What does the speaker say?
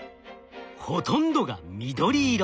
ほとんどが緑色。